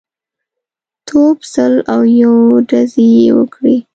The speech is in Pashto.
توپ سل او یو ډزې یې وکړې.